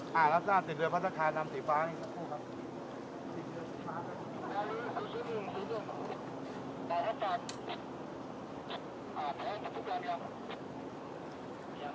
ผู้หญิงคุดการยังคิดว่าเลือกเรือเดียว